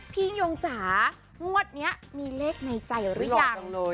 พี่ยิ่งยงจ๋างวดนี้มีเลขในใจหรือยัง